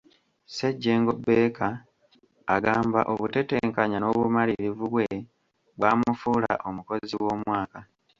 Ssejjengo Baker agamba obutetenkanya n’obumaririvu bwe bwamufuula omukozi w’omwaka.